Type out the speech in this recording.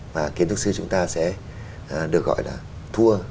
và kiến trúc sư chúng ta sẽ được gọi là thua